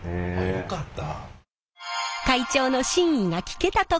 よかった